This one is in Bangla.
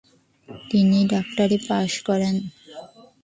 তিনি ডাক্তারি পাস করেন।